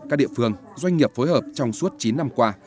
các địa phương doanh nghiệp phối hợp trong suốt chín năm qua